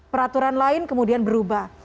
peraturan lain kemudian berubah